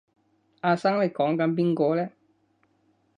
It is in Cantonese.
阿生你講緊邊個呢？